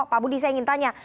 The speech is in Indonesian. pak budi saya ingin tanya